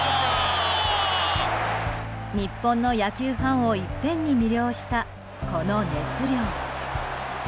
日本の野球ファンをいっぺんに魅了した、この熱量。